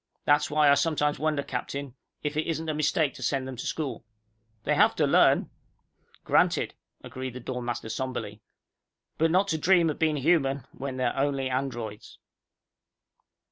That's why I sometimes wonder, Captain, if it isn't a mistake to send them to school." "They have to learn." "Granted," agreed the dorm master somberly. "But not to dream of being human when they're only androids."